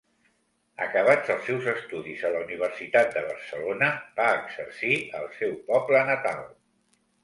Acabats els seus estudis a la Universitat de Barcelona, va exercir al seu poble natal.